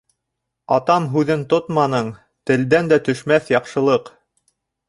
Атам һүҙен тотманың, Телдән дә төшмәҫ яҡшылыҡ.